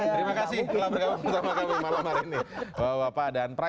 telah berkawan bersama kami malam hari ini